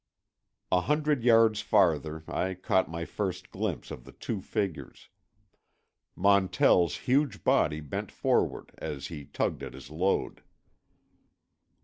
A hundred yards farther I caught my first glimpse of the two figures, Montell's huge body bent forward as he tugged at his load.